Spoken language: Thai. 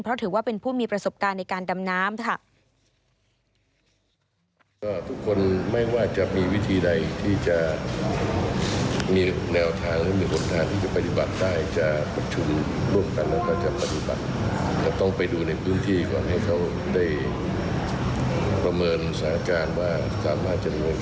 เพราะถือว่าเป็นผู้มีประสบการณ์ในการดำน้ำค่ะ